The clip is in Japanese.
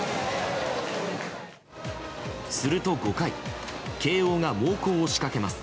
すると５回慶應が猛攻を仕掛けます。